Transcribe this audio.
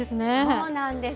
そうなんです。